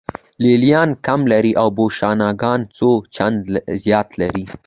لې لیان کم لري او بوشونګان څو چنده زیات لري